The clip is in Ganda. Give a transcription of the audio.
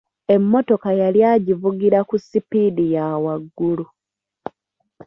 Emmotoka yali agivugira ku sipiidi ya waggulu.